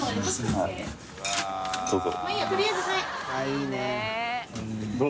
いいね。